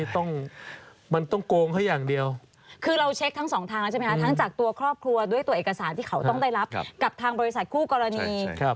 ตั้งการการด้วยตัวเอกสารที่เขาจะได้รับกับทางบริษัทกู้กรณี